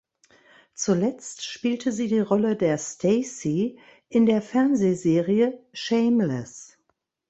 Zuletzt spielte sie die Rolle der "Stacey" in der Fernsehserie "Shameless".